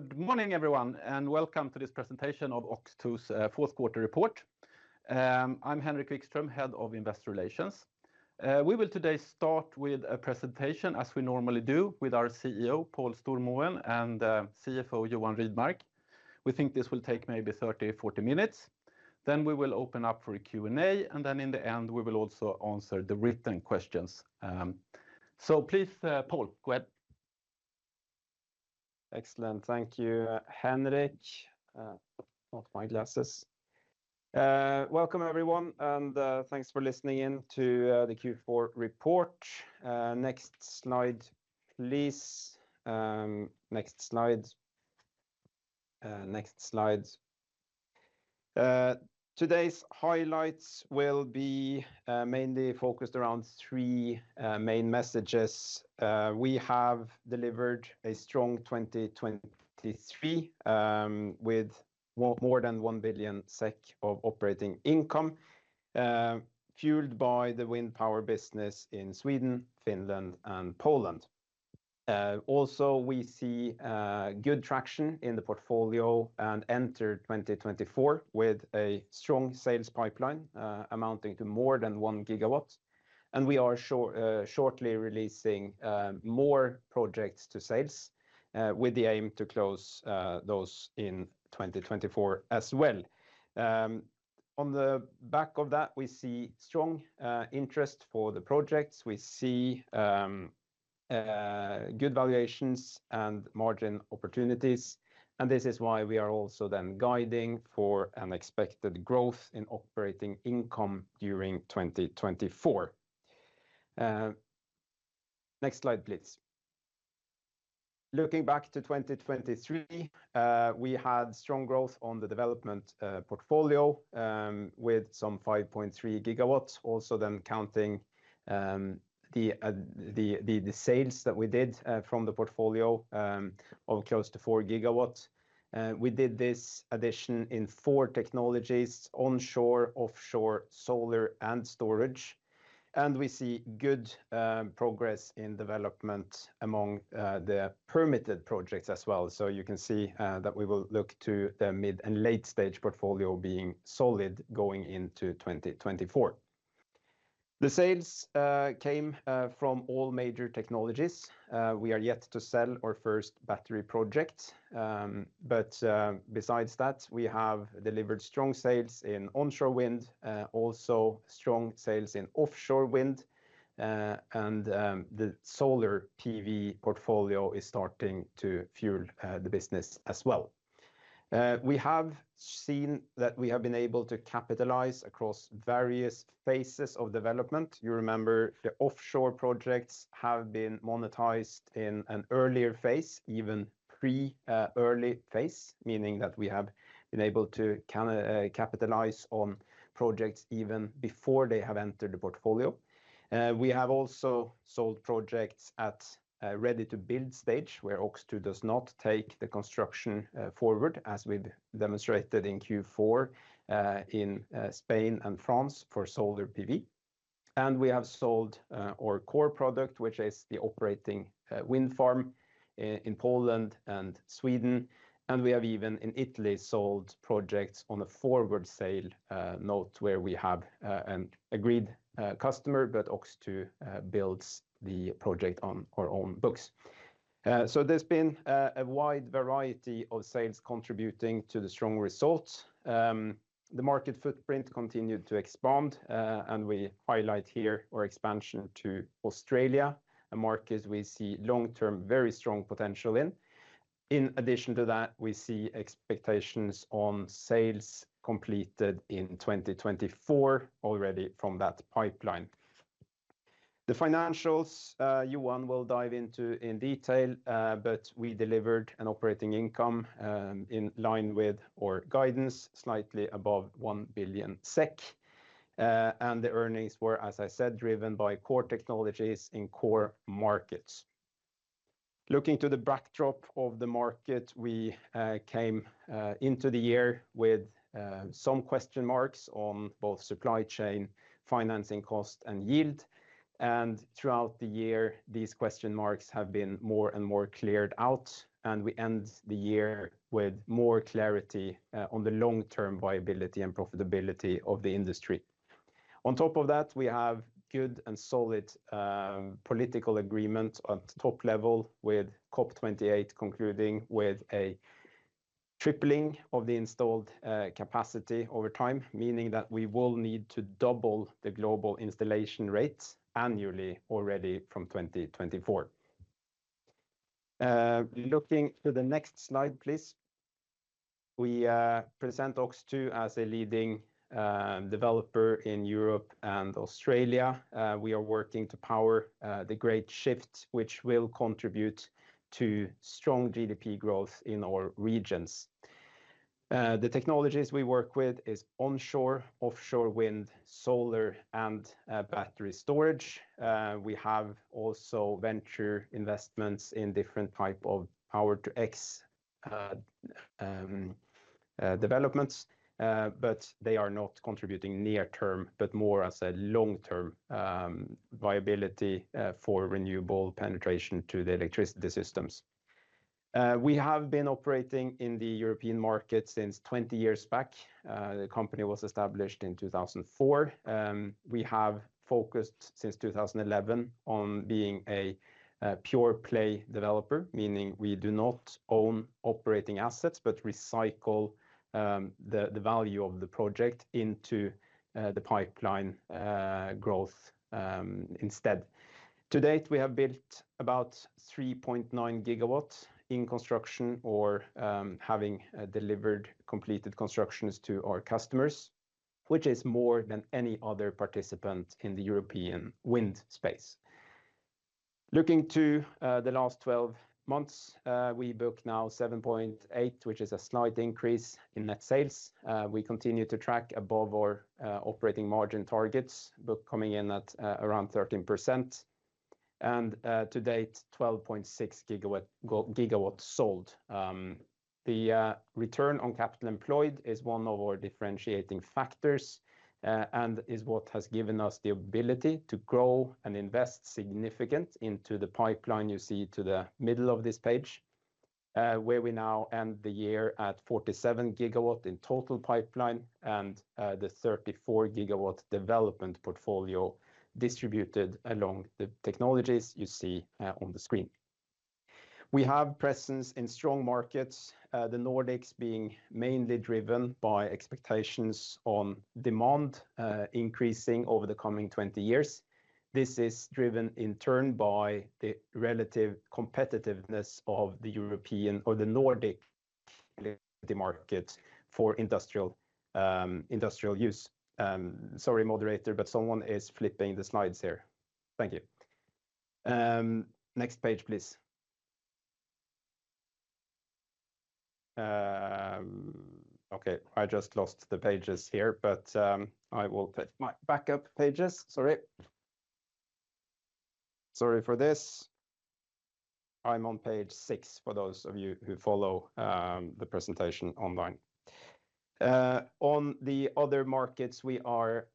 Good morning everyone and welcome to this presentation of OX2's fourth quarter report. I'm Henrik Vikström, head of investor relations. We will today start with a presentation as we normally do with our CEO Paul Stormoen and CFO Johan Rydmark. We think this will take maybe 30-40 minutes. Then we will open up for a Q&A and then in the end we will also answer the written questions. So please, Paul, go ahead. Excellent, thank you. Henrik, not my glasses. Welcome everyone and thanks for listening in to the Q4 report. Next slide, please. Next slide. Today's highlights will be mainly focused around three main messages. We have delivered a strong 2023 with more than 1 billion SEK of operating income, fueled by the wind power business in Sweden, Finland, and Poland. Also we see good traction in the portfolio and entered 2024 with a strong sales pipeline amounting to more than 1 gigawatt. We are shortly releasing more projects to sales with the aim to close those in 2024 as well. On the back of that, we see strong interest for the projects. We see good valuations and margin opportunities. This is why we are also then guiding for an expected growth in operating income during 2024. Next slide, please. Looking back to 2023, we had strong growth on the development portfolio with some 5.3 GW, also then counting the sales that we did from the portfolio of close to 4 GW. We did this addition in 4 technologies: onshore, offshore, solar, and storage. We see good progress in development among the permitted projects as well. You can see that we will look to the mid- and late-stage portfolio being solid going into 2024. The sales came from all major technologies. We are yet to sell our first battery project. But besides that, we have delivered strong sales in onshore wind, also strong sales in offshore wind. The Solar PV portfolio is starting to fuel the business as well. We have seen that we have been able to capitalize across various phases of development. You remember the offshore projects have been monetized in an earlier phase, even pre-early phase, meaning that we have been able to capitalize on projects even before they have entered the portfolio. We have also sold projects at ready-to-build stage, where OX2 does not take the construction forward, as we've demonstrated in Q4 in Spain and France for solar PV. We have sold our core product, which is the operating wind farm, in Poland and Sweden. We have even in Italy sold projects on a forward sale note where we have an agreed customer, but OX2 builds the project on our own books. So there's been a wide variety of sales contributing to the strong results. The market footprint continued to expand. We highlight here our expansion to Australia, a market we see long-term very strong potential in. In addition to that, we see expectations on sales completed in 2024 already from that pipeline. The financials, Johan will dive into in detail, but we delivered an operating income in line with our guidance, slightly above 1 billion SEK. The earnings were, as I said, driven by core technologies in core markets. Looking to the backdrop of the market, we came into the year with some question marks on both supply chain, financing cost, and yield. Throughout the year, these question marks have been more and more cleared out. We end the year with more clarity on the long-term viability and profitability of the industry. On top of that, we have good and solid political agreement at top level with COP28 concluding with a tripling of the installed capacity over time, meaning that we will need to double the global installation rate annually already from 2024. Looking to the next slide, please. We present OX2 as a leading developer in Europe and Australia. We are working to power the great shift, which will contribute to strong GDP growth in our regions. The technologies we work with are onshore, offshore wind, solar, and battery storage. We have also venture investments in different types of Power-to-X developments. But they are not contributing near-term, but more as a long-term viability for renewable penetration to the electricity systems. We have been operating in the European market since 20 years back. The company was established in 2004. We have focused since 2011 on being a pure-play developer, meaning we do not own operating assets, but recycle the value of the project into the pipeline growth instead. To date, we have built about 3.9 GW in construction or having delivered completed constructions to our customers, which is more than any other participant in the European wind space. Looking to the last 12 months, we booked now 7.8 billion, which is a slight increase in net sales. We continue to track above our operating margin targets, book coming in at around 13%. To date, 12.6 GW sold. The return on capital employed is one of our differentiating factors and is what has given us the ability to grow and invest significantly into the pipeline you see to the middle of this page, where we now end the year at 47 GW in total pipeline and the 34 GW development portfolio distributed along the technologies you see on the screen. We have presence in strong markets, the Nordics being mainly driven by expectations on demand increasing over the coming 20 years. This is driven in turn by the relative competitiveness of the European or the Nordic equity market for industrial use. Sorry, moderator, but someone is flipping the slides here. Thank you. Next page, please. Okay, I just lost the pages here, but I will put my backup pages. Sorry. Sorry for this. I'm on page six for those of you who follow the presentation online. On the other markets, we are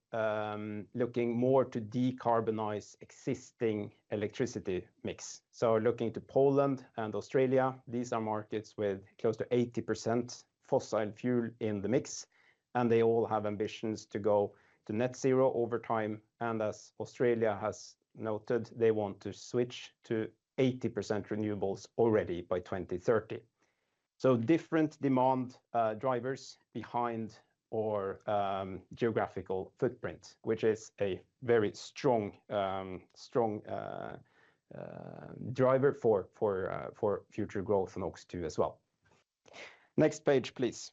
looking more to decarbonize existing electricity mix. So looking to Poland and Australia, these are markets with close to 80% fossil fuel in the mix. And they all have ambitions to go to net zero over time. And as Australia has noted, they want to switch to 80% renewables already by 2030. So different demand drivers behind our geographical footprint, which is a very strong driver for future growth in OX2 as well. Next page, please.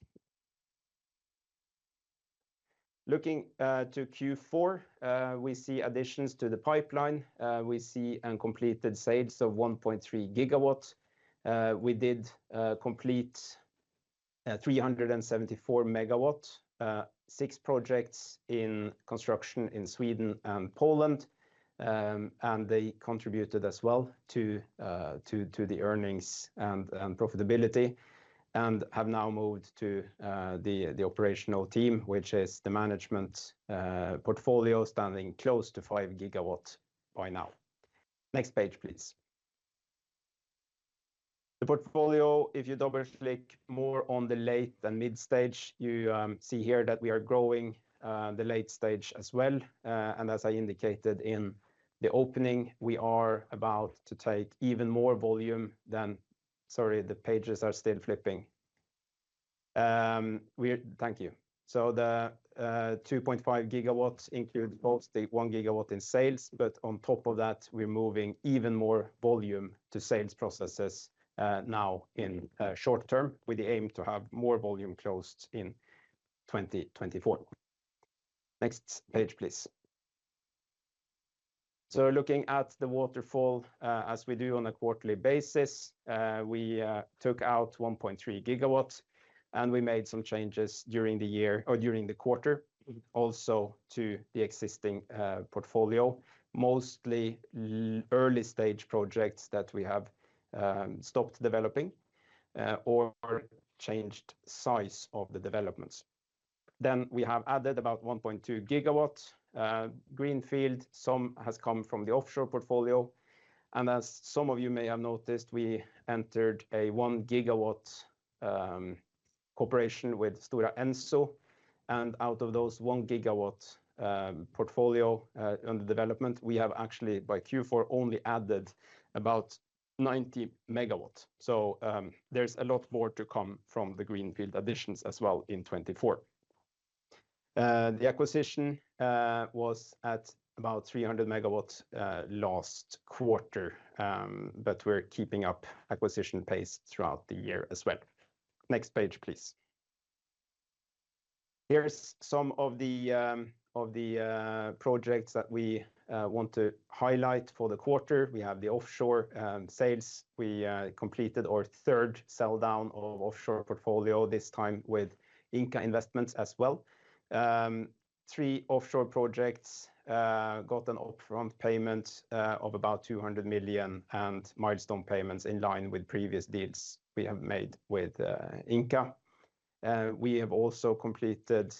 Looking to Q4, we see additions to the pipeline. We see uncompleted sales of 1.3 GW. We did complete 374 MW, 6 projects in construction in Sweden and Poland. They contributed as well to the earnings and profitability. And have now moved to the operational team, which is the management portfolio standing close to 5 GW by now. Next page, please. The portfolio, if you double-click more on the late and mid stage, you see here that we are growing the late stage as well. As I indicated in the opening, we are about to take even more volume than... Sorry, the pages are still flipping. Thank you. So the 2.5 GW include both the 1 GW in sales, but on top of that, we're moving even more volume to sales processes now in short term with the aim to have more volume closed in 2024. Next page, please. So looking at the waterfall as we do on a quarterly basis, we took out 1.3 GW. And we made some changes during the year or during the quarter also to the existing portfolio, mostly early stage projects that we have stopped developing or changed size of the developments. Then we have added about 1.2 GW greenfield, some has come from the offshore portfolio. And as some of you may have noticed, we entered a 1 GW cooperation with Stora Enso. And out of those 1 GW portfolio under development, we have actually by Q4 only added about 90 MW. So there's a lot more to come from the greenfield additions as well in 2024. The acquisition was at about 300 MW last quarter. But we're keeping up acquisition pace throughout the year as well. Next page, please. Here's some of the projects that we want to highlight for the quarter. We have the offshore sales. We completed our third selldown of offshore portfolio this time with Ingka Investments as well. Three offshore projects got an upfront payment of about 200 million and milestone payments in line with previous deals we have made with Ingka. We have also completed,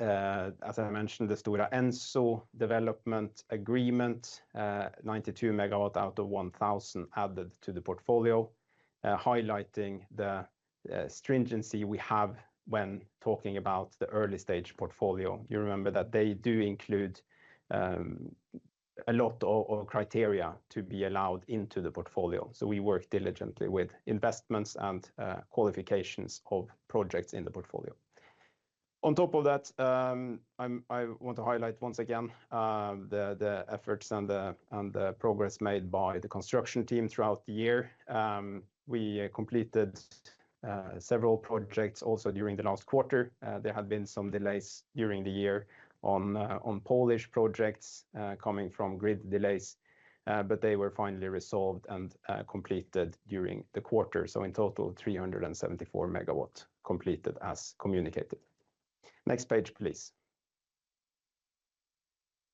as I mentioned, the Stora Enso development agreement, 92 MW out of 1,000 added to the portfolio, highlighting the stringency we have when talking about the early stage portfolio. You remember that they do include a lot of criteria to be allowed into the portfolio. So we work diligently with investments and qualifications of projects in the portfolio. On top of that, I want to highlight once again the efforts and the progress made by the construction team throughout the year. We completed several projects also during the last quarter. There had been some delays during the year on Polish projects coming from grid delays. But they were finally resolved and completed during the quarter. So in total, 374 megawatts completed as communicated. Next page, please.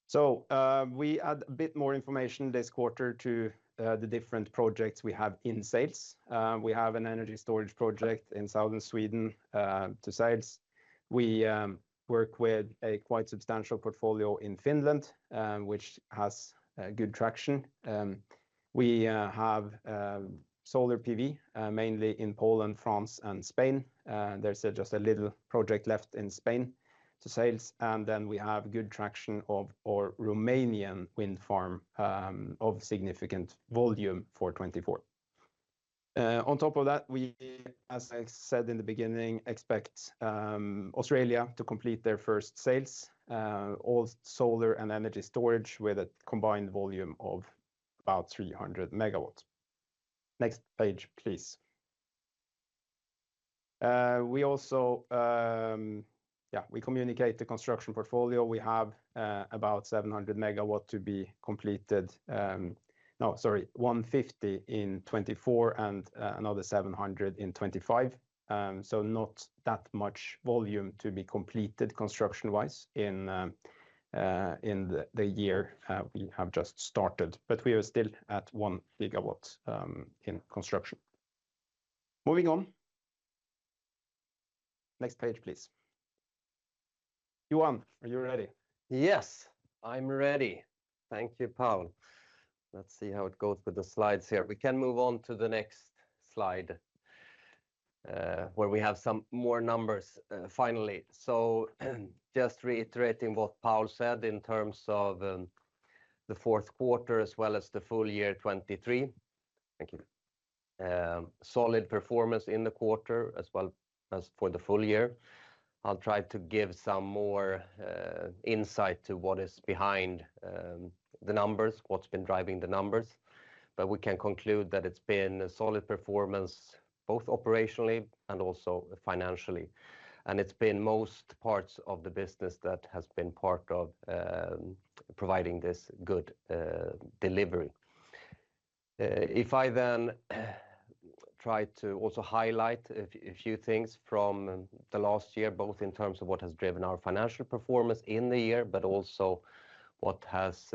So we add a bit more information this quarter to the different projects we have in sales. We have an energy storage project in southern Sweden to sales. We work with a quite substantial portfolio in Finland, which has good traction. We have solar PV, mainly in Poland, France, and Spain. There's just a little project left in Spain to sales. Then we have good traction of our Romanian wind farm of significant volume for 2024. On top of that, we, as I said in the beginning, expect Australia to complete their first sales, all solar and energy storage with a combined volume of about 300 MW. Next page, please. We also, yeah, we communicate the construction portfolio. We have about 700 MW to be completed. No, sorry, 150 MW in 2024 and another 700 MW in 2025. So not that much volume to be completed construction-wise in the year we have just started. But we are still at 1 GW in construction. Moving on. Next page, removed please. Johan, are you ready? Yes, I'm ready. Thank you, Paul. Let's see how it goes with the slides here. We can move on to the next slide where we have some more numbers finally. So just reiterating what Paul said in terms of the fourth quarter as well as the full year 2023. Thank you. Solid performance in the quarter as well as for the full year. I'll try to give some more insight to what is behind the numbers, what's been driving the numbers. But we can conclude that it's been a solid performance both operationally and also financially. And it's been most parts of the business that has been part of providing this good delivery. If I then try to also highlight a few things from the last year, both in terms of what has driven our financial performance in the year, but also what has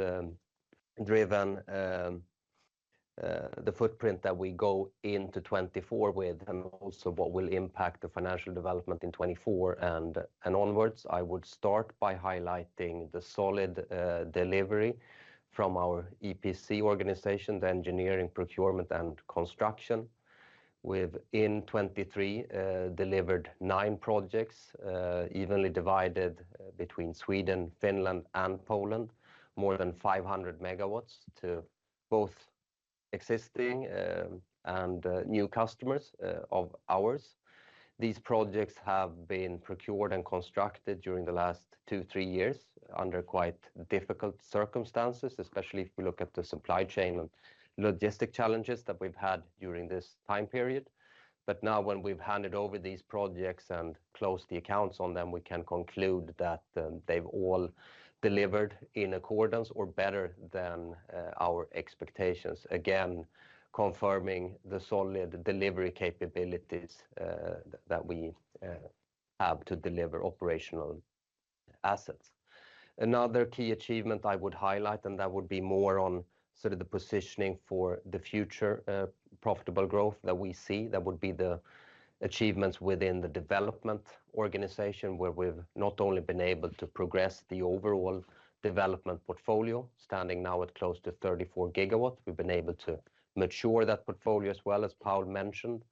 driven the footprint that we go into 2024 with and also what will impact the financial development in 2024 and onwards, I would start by highlighting the solid delivery from our EPC organization, the Engineering, Procurement, and Construction, with, in 2023, delivered 9 projects, evenly divided between Sweden, Finland, and Poland, more than 500 MW to both existing and new customers of ours. These projects have been procured and constructed during the last two, three years under quite difficult circumstances, especially if we look at the supply chain and logistic challenges that we've had during this time period. Now when we've handed over these projects and closed the accounts on them, we can conclude that they've all delivered in accordance or better than our expectations, again confirming the solid delivery capabilities that we have to deliver operational assets. Another key achievement I would highlight, and that would be more on sort of the positioning for the future profitable growth that we see, that would be the achievements within the development organization where we've not only been able to progress the overall development portfolio, standing now at close to 34 GW, we've been able to mature that portfolio as well as Paul mentioned,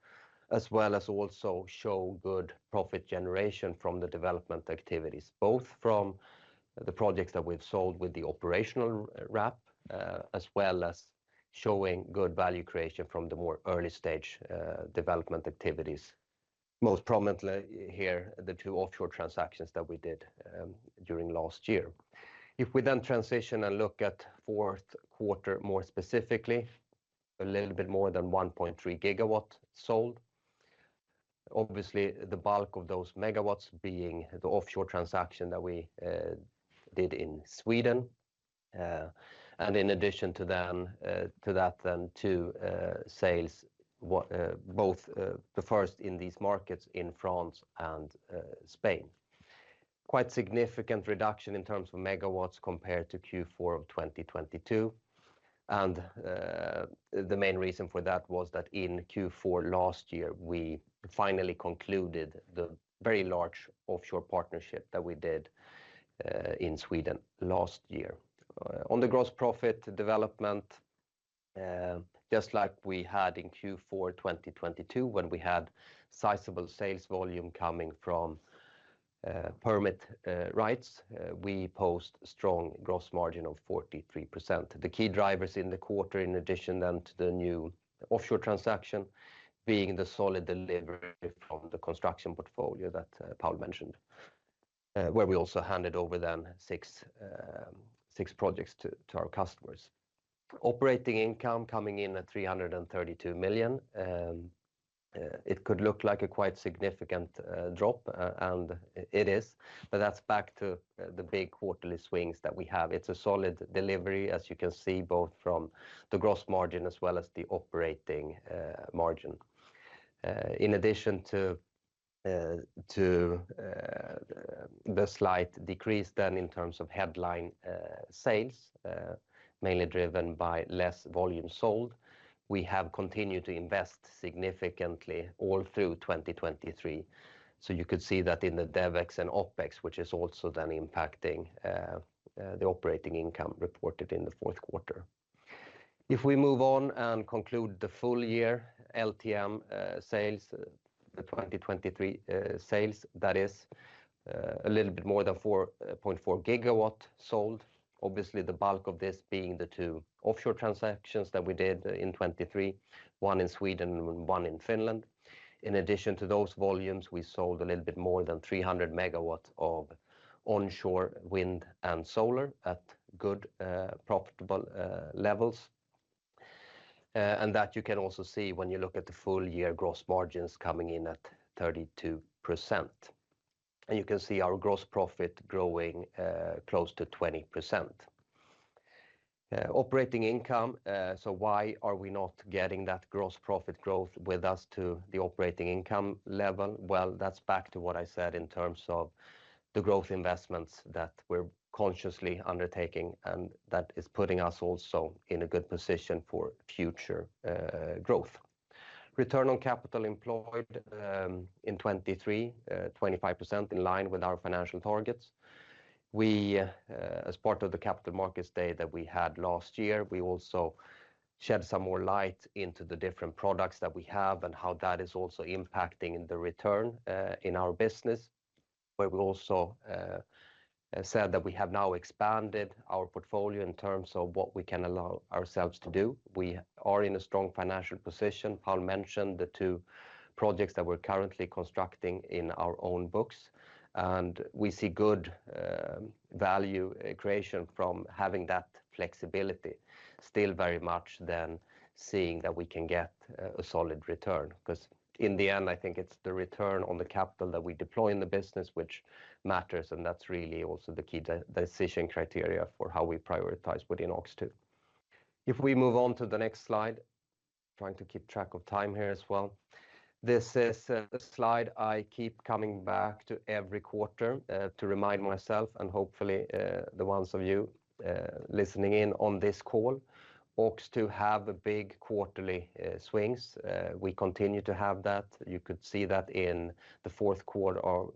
as well as also show good profit generation from the development activities, both from the projects that we've sold with the operational wrap, as well as showing good value creation from the more early stage development activities, most prominently here the two offshore transactions that we did during last year. If we then transition and look at fourth quarter more specifically, a little bit more than 1.3 GW sold. Obviously, the bulk of those megawatts being the offshore transaction that we did in Sweden. In addition to that, the two sales, both the first in these markets in France and Spain. Quite significant reduction in terms of megawatts compared to Q4 of 2022. The main reason for that was that in Q4 last year, we finally concluded the very large offshore partnership that we did in Sweden last year. On the gross profit development, just like we had in Q4 2022 when we had sizable sales volume coming from permit rights, we posted a strong gross margin of 43%. The key drivers in the quarter, in addition to the new offshore transaction, being the solid delivery from the construction portfolio that Paul mentioned, where we also handed over 6 projects to our customers. Operating income coming in at 332 million. It could look like a quite significant drop, and it is. But that's back to the big quarterly swings that we have. It's a solid delivery, as you can see, both from the gross margin as well as the operating margin. In addition to the slight decrease then in terms of headline sales, mainly driven by less volume sold, we have continued to invest significantly all through 2023. So you could see that in the DevEx and OpEx, which is also then impacting the operating income reported in the fourth quarter. If we move on and conclude the full year, LTM sales, the 2023 sales, that is, a little bit more than 4.4 GW sold. Obviously, the bulk of this being the two offshore transactions that we did in 2023, one in Sweden and one in Finland. In addition to those volumes, we sold a little bit more than 300 MW of onshore wind and solar at good profitable levels. That you can also see when you look at the full-year gross margins coming in at 32%. You can see our gross profit growing close to 20%. Operating income, so why are we not getting that gross profit growth with us to the operating income level? Well, that's back to what I said in terms of the growth investments that we're consciously undertaking and that is putting us also in a good position for future growth. Return on capital employed in 2023, 25% in line with our financial targets. We, as part of the capital markets day that we had last year, we also shed some more light into the different products that we have and how that is also impacting the return in our business, where we also said that we have now expanded our portfolio in terms of what we can allow ourselves to do. We are in a strong financial position. Paul mentioned the two projects that we're currently constructing in our own books. And we see good value creation from having that flexibility, still very much then seeing that we can get a solid return. Because in the end, I think it's the return on the capital that we deploy in the business which matters. And that's really also the key decision criteria for how we prioritize within OX2. If we move on to the next slide, trying to keep track of time here as well. This is a slide I keep coming back to every quarter to remind myself and hopefully the ones of you listening in on this call, OX2 have big quarterly swings. We continue to have that. You could see that in the fourth quarter of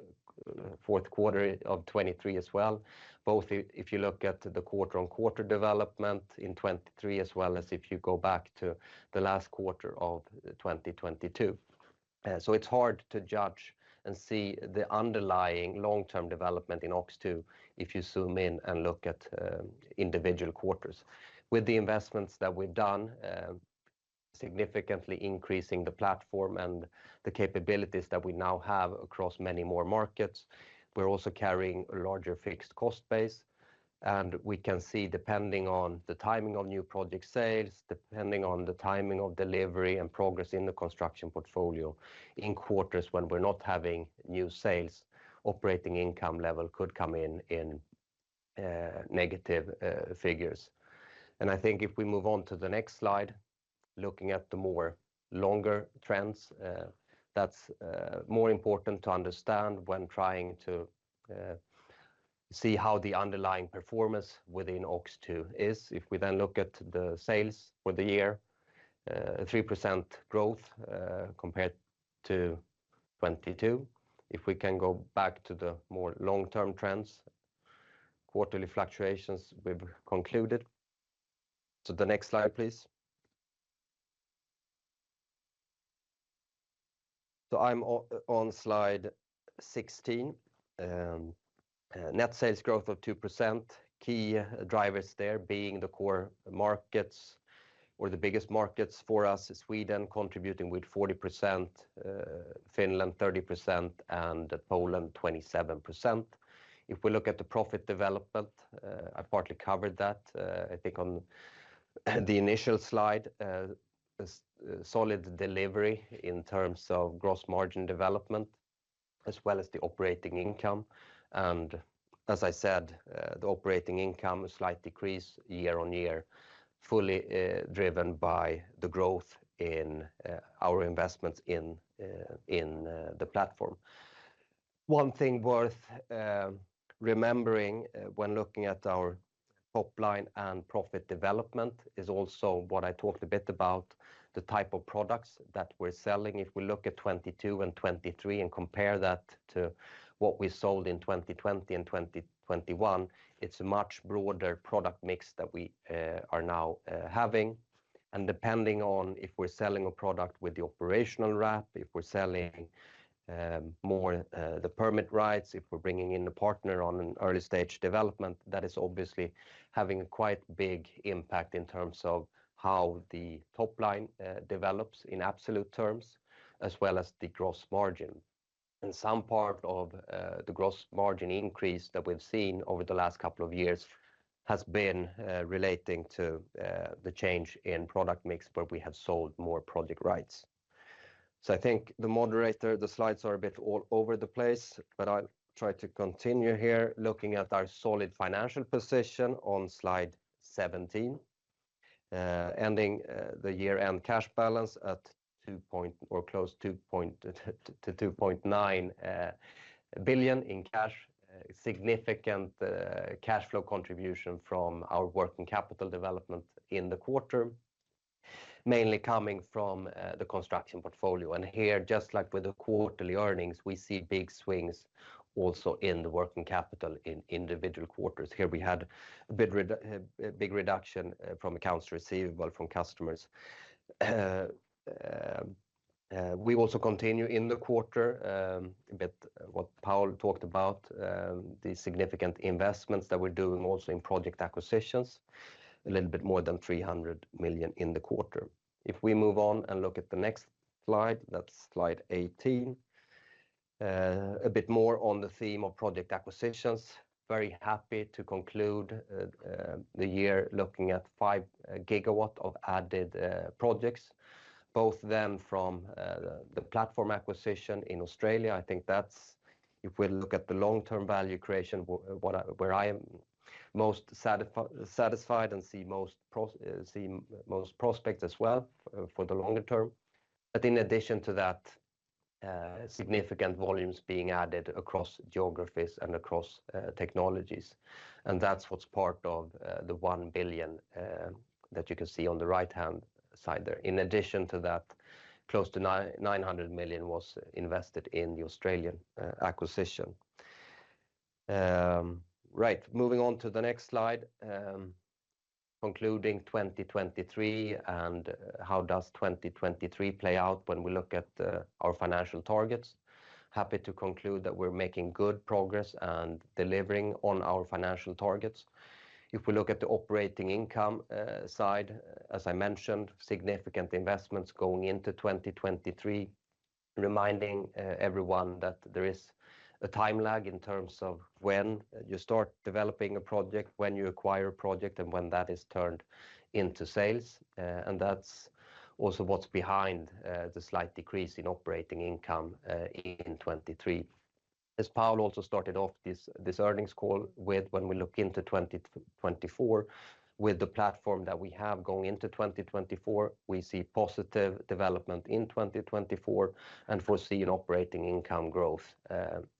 2023 as well, both if you look at the quarter-on-quarter development in 2023 as well as if you go back to the last quarter of 2022. So it's hard to judge and see the underlying long-term development in OX2 if you zoom in and look at individual quarters. With the investments that we've done, significantly increasing the platform and the capabilities that we now have across many more markets, we're also carrying a larger fixed cost base. And we can see, depending on the timing of new project sales, depending on the timing of delivery and progress in the construction portfolio, in quarters when we're not having new sales, operating income level could come in in negative figures. I think if we move on to the next slide, looking at the more longer trends, that's more important to understand when trying to see how the underlying performance within OX2 is. If we then look at the sales for the year, a 3% growth compared to 2022. If we can go back to the more long-term trends, quarterly fluctuations we've concluded. The next slide, please. I'm on slide 16. Net sales growth of 2%. Key drivers there being the core markets or the biggest markets for us is Sweden, contributing with 40%, Finland, 30%, and Poland, 27%. If we look at the profit development, I partly covered that, I think on the initial slide, solid delivery in terms of gross margin development as well as the operating income. And as I said, the operating income slight decrease year-on-year, fully driven by the growth in our investments in the platform. One thing worth remembering when looking at our top line and profit development is also what I talked a bit about, the type of products that we're selling. If we look at 2022 and 2023 and compare that to what we sold in 2020 and 2021, it's a much broader product mix that we are now having. And depending on if we're selling a product with the operational wrap, if we're selling more the permit rights, if we're bringing in a partner on an early stage development, that is obviously having a quite big impact in terms of how the top line develops in absolute terms as well as the gross margin. Some part of the gross margin increase that we've seen over the last couple of years has been relating to the change in product mix where we have sold more project rights. I think the moderator, the slides are a bit all over the place, but I'll try to continue here looking at our solid financial position on slide 17, ending the year-end cash balance at 2.0 or close to 2.9 billion in cash, significant cash flow contribution from our working capital development in the quarter, mainly coming from the construction portfolio. Here, just like with the quarterly earnings, we see big swings also in the working capital in individual quarters. Here we had a bit a big reduction from accounts receivable from customers. We also continue in the quarter, a bit what Paul talked about, the significant investments that we're doing also in project acquisitions, a little bit more than 300 million in the quarter. If we move on and look at the next slide, that's slide 18, a bit more on the theme of project acquisitions. Very happy to conclude the year looking at 5 GW of added projects, both then from the platform acquisition in Australia. I think that's, if we look at the long-term value creation, what, where I am most satisfied and see most prospects as well for the longer term. But in addition to that, significant volumes being added across geographies and across technologies. And that's what's part of the 1 billion that you can see on the right-hand side there. In addition to that, close to 900 million was invested in the Australian acquisition. Right, moving on to the next slide, concluding 2023 and how does 2023 play out when we look at our financial targets. Happy to conclude that we're making good progress and delivering on our financial targets. If we look at the operating income side, as I mentioned, significant investments going into 2023, reminding everyone that there is a time lag in terms of when you start developing a project, when you acquire a project, and when that is turned into sales. And that's also what's behind the slight decrease in operating income in 2023. As Paul also started off this earnings call with, when we look into 2024, with the platform that we have going into 2024, we see positive development in 2024 and foresee an operating income growth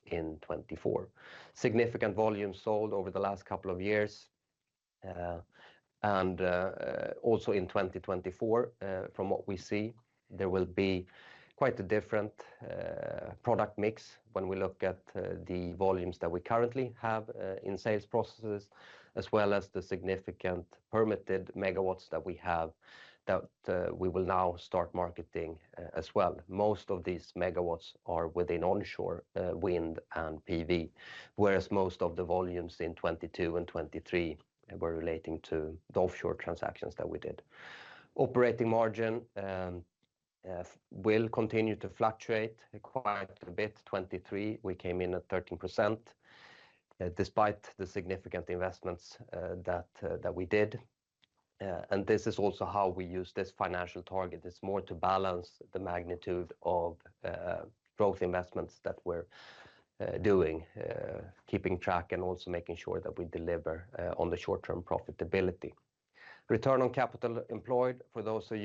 in 2024. Significant volume sold over the last couple of years. And also in 2024, from what we see, there will be quite a different product mix when we look at the volumes that we currently have in sales processes, as well as the significant permitted megawatts that we have that we will now start marketing as well. Most of these megawatts are within onshore wind and PV, whereas most of the volumes in 2022 and 2023 were relating to the offshore transactions that we did. Operating margin will continue to fluctuate quite a bit. In 2023, we came in at 13%, despite the significant investments that we did. And this is also how we use this financial target. It's more to balance the magnitude of growth investments that we're doing, keeping track and also making sure that we deliver on the short-term profitability. Return on capital employed, for those of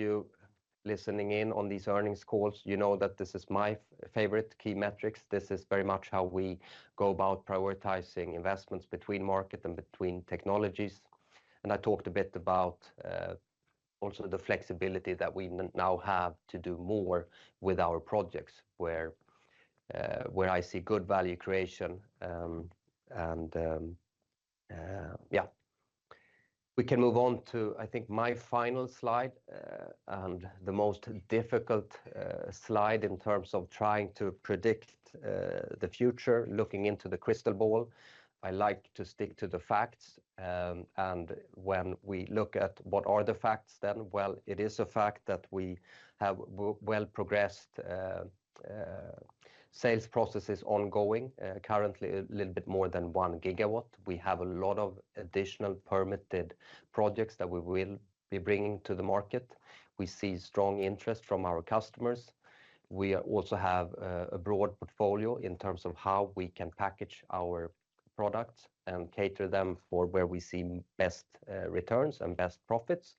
you listening in on these earnings calls, you know that this is my favorite key metrics. This is very much how we go about prioritizing investments between market and between technologies. I talked a bit about also the flexibility that we now have to do more with our projects, where I see good value creation. Yeah, we can move on to, I think, my final slide, and the most difficult slide in terms of trying to predict the future, looking into the crystal ball. I like to stick to the facts. When we look at what are the facts then, well, it is a fact that we have well-progressed sales processes ongoing, currently a little bit more than 1 gigawatt. We have a lot of additional permitted projects that we will be bringing to the market. We see strong interest from our customers. We also have a broad portfolio in terms of how we can package our products and cater them for where we see best returns and best profits.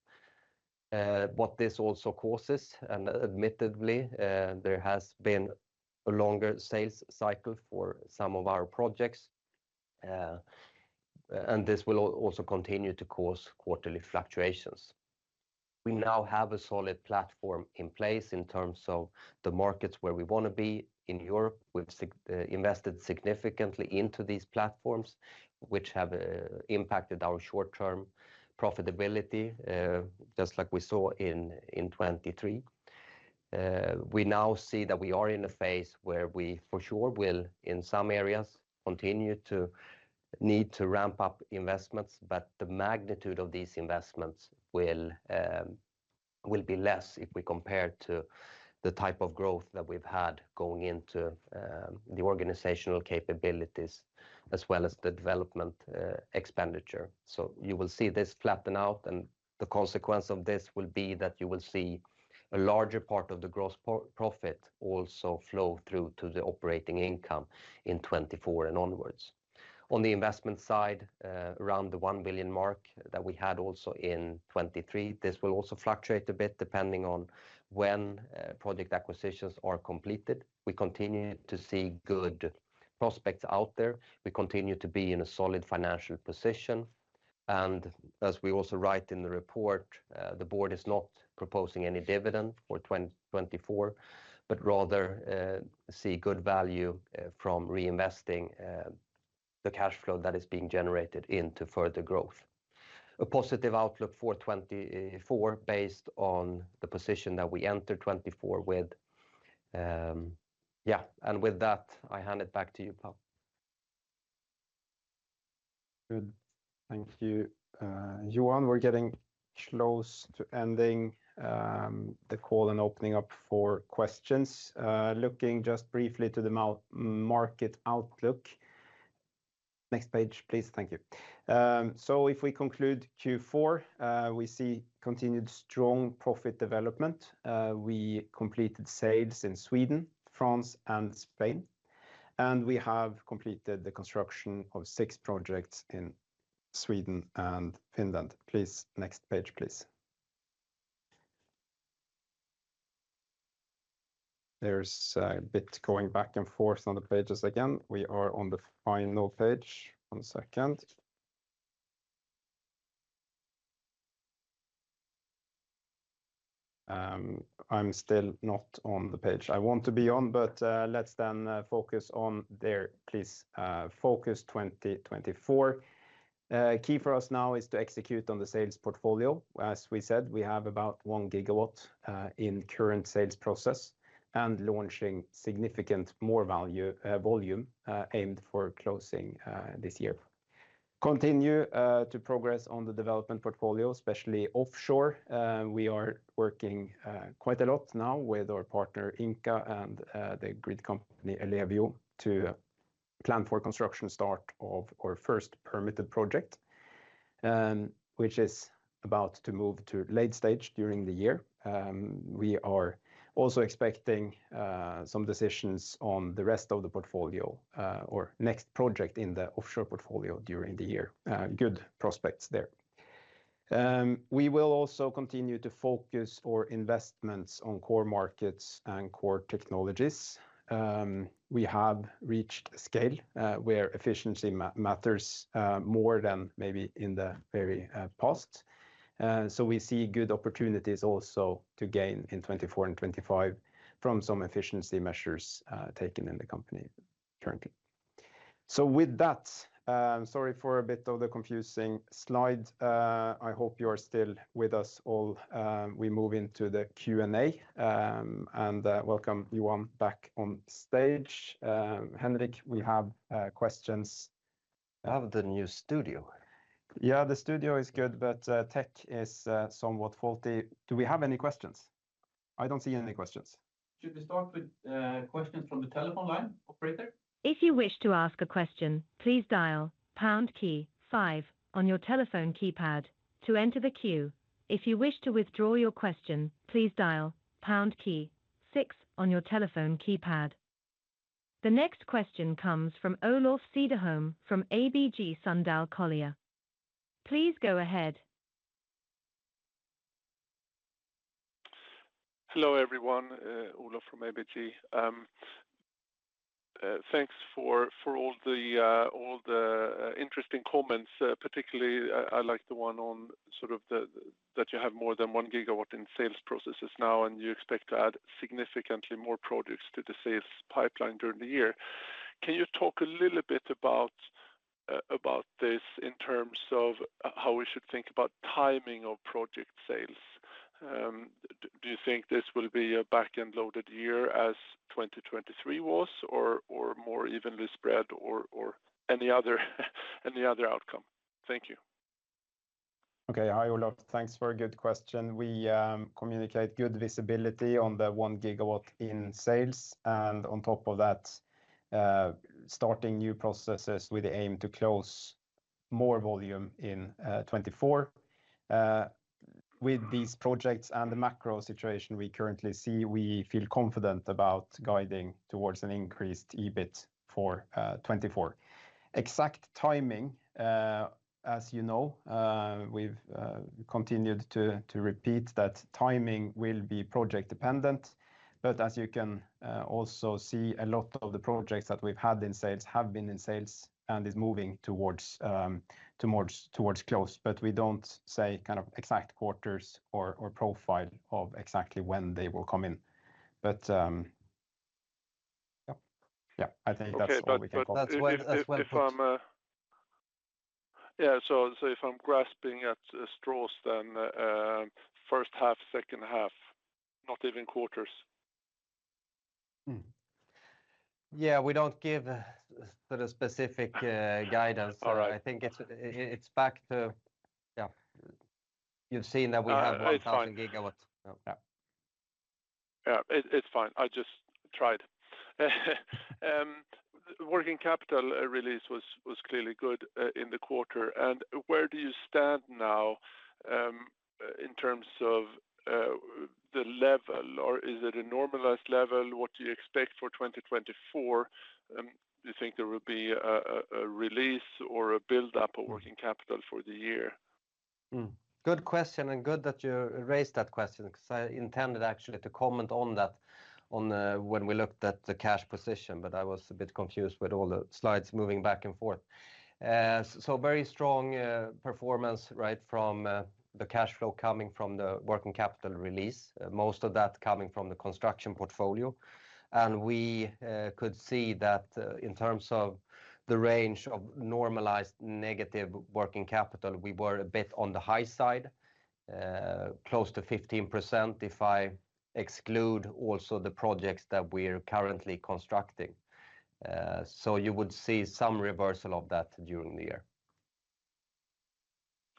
What this also causes, and admittedly, there has been a longer sales cycle for some of our projects. And this will also continue to cause quarterly fluctuations. We now have a solid platform in place in terms of the markets where we want to be. In Europe, we've invested significantly into these platforms, which have impacted our short-term profitability, just like we saw in 2023. We now see that we are in a phase where we, for sure, will, in some areas, continue to need to ramp up investments, but the magnitude of these investments will be less if we compare to the type of growth that we've had going into the organizational capabilities as well as the development expenditure. So you will see this flatten out, and the consequence of this will be that you will see a larger part of the gross profit also flow through to the operating income in 2024 and onwards. On the investment side, around the 1 billion mark that we had also in 2023, this will also fluctuate a bit depending on when project acquisitions are completed. We continue to see good prospects out there. We continue to be in a solid financial position. As we also write in the report, the board is not proposing any dividend for 2024, but rather see good value from reinvesting the cash flow that is being generated into further growth. A positive outlook for 2024 based on the position that we entered 2024 with. Yeah, and with that, I hand it back to you, Paul. Good, thank you. Johan, we're getting close to ending the call and opening up for questions. Looking just briefly to the market outlook. Next page, please, thank you. So if we conclude Q4, we see continued strong profit development. We completed sales in Sweden, France, and Spain. And we have completed the construction of six projects in Sweden and Finland. Please, next page, please. There's a bit going back and forth on the pages again. We are on the final page. One second. I'm still not on the page. I want to be on, but let's then focus on there. Please focus 2024. Key for us now is to execute on the sales portfolio. As we said, we have about 1 GW in current sales process and launching significant more value volume aimed for closing this year. Continue to progress on the development portfolio, especially offshore. We are working quite a lot now with our partner Ingka and the grid company Ellevio to plan for construction start of our first permitted project, which is about to move to late stage during the year. We are also expecting some decisions on the rest of the portfolio or next project in the offshore portfolio during the year. Good prospects there. We will also continue to focus our investments on core markets and core technologies. We have reached a scale where efficiency matters more than maybe in the very past. So we see good opportunities also to gain in 2024 and 2025 from some efficiency measures taken in the company currently. So with that, sorry for a bit of the confusing slide. I hope you are still with us all. We move into the Q&A. Welcome, Johan, back on stage. Henrik, we have questions. I have the new studio. Yeah, the studio is good, but tech is somewhat faulty. Do we have any questions? I don't see any questions. Should we start with questions from the telephone line operator? If you wish to ask a question, please dial pound key 5 on your telephone keypad to enter the queue. If you wish to withdraw your question, please dial pound key 6 on your telephone keypad. The next question comes from Olof Cederholm from ABG Sundal Collier. Please go ahead. Hello everyone, Olof from ABG. Thanks for all the interesting comments. Particularly, I like the one on sort of the that you have more than 1 GW in sales processes now and you expect to add significantly more products to the sales pipeline during the year. Can you talk a little bit about this in terms of how we should think about timing of project sales? Do you think this will be a back-end loaded year as 2023 was, or more evenly spread, or any other outcome? Thank you. Okay, hi Olof. Thanks for a good question. We communicate good visibility on the 1 GW in sales. And on top of that, starting new processes with the aim to close more volume in 2024. With these projects and the macro situation we currently see, we feel confident about guiding towards an increased EBIT for 2024. Exact timing, as you know, we've continued to repeat that timing will be project-dependent. But as you can also see, a lot of the projects that we've had in sales have been in sales and is moving towards close. But we don't say kind of exact quarters or profile of exactly when they will come in. But yeah, I think that's all we can talk about. That's well put. Yeah, so if I'm grasping at straws, then first half, second half, not even quarters. Yeah, we don't give sort of specific guidance. So I think it's back to... Yeah, you've seen that we have 1,000 GW. Yeah, it's fine. I just tried. Working capital release was clearly good in the quarter. And where do you stand now in terms of the level? Or is it a normalized level? What do you expect for 2024? Do you think there will be a release or a buildup of working capital for the year? Good question, and good that you raised that question, because I intended actually to comment on that on when we looked at the cash position. But I was a bit confused with all the slides moving back and forth. So very strong performance right from the cash flow coming from the working capital release. Most of that coming from the construction portfolio. And we could see that in terms of the range of normalized negative working capital, we were a bit on the high side, close to 15% if I exclude also the projects that we're currently constructing. So you would see some reversal of that during the year.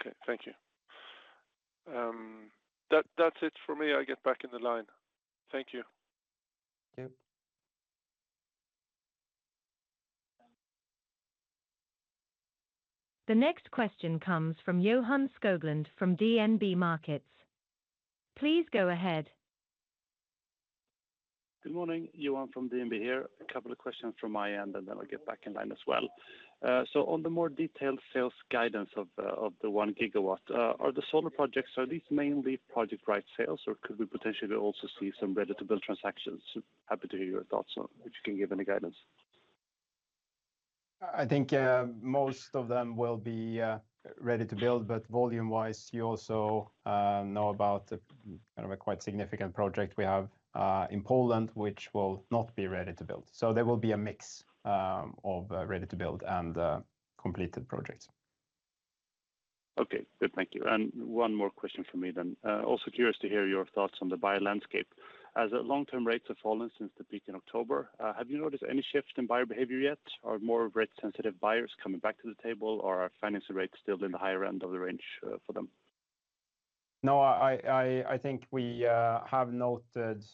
Okay, thank you. That's it for me. I'll get back in the line. Thank you. Thank you. The next question comes from Johan Skoglund from DNB Markets. Please go ahead. Good morning, Johan, from DNB here. A couple of questions from my end, and then I'll get back in line as well. So on the more detailed sales guidance of the 1 GW, are the solar projects, are these mainly project-right sales, or could we potentially also see some ready-to-build transactions? Happy to hear your thoughts, if you can give any guidance. I think most of them will be ready-to-build. But volume-wise, you also know about the kind of a quite significant project we have in Poland, which will not be ready-to-build. So there will be a mix of ready-to-build and completed projects. Okay, good, thank you. And one more question for me then. Also curious to hear your thoughts on the buyer landscape. As long-term rates have fallen since the peak in October, have you noticed any shift in buyer behavior yet? Are more of rate-sensitive buyers coming back to the table, or are financing rates still in the higher end of the range for them? No, I think we have noted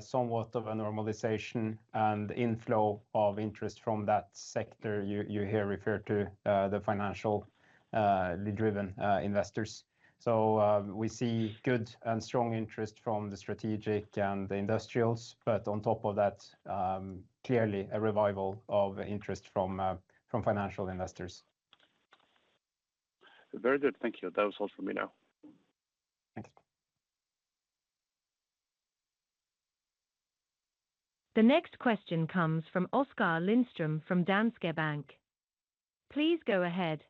somewhat of a normalization and inflow of interest from that sector. You hear referred to the financial-driven investors. So we see good and strong interest from the strategic and the industrials. But on top of that, clearly a revival of interest from financial investors. Very good, thank you. That was all from me now. Thank you. The next question comes from Oskar Lindström from Danske Bank. Please go ahead.